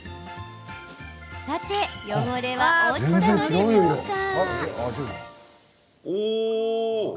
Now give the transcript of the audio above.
さて、汚れは落ちたのでしょうか？